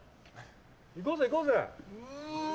行こうぜ、行こうぜ。